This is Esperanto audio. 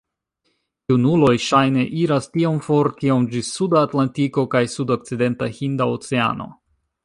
Junuloj ŝajne iras tiom for kiom ĝis suda Atlantiko kaj sudokcidenta Hinda Oceano.